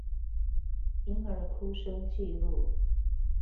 嬰兒哭聲記錄